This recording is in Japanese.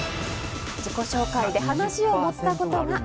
自己紹介で話を盛ったことが。